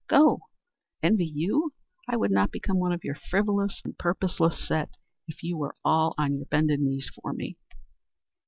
Go! Envy you? I would not become one of your frivolous and purposeless set if you were all on your bended knees before me."